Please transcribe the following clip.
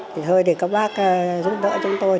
thì thôi thì các bác giúp đỡ chúng tôi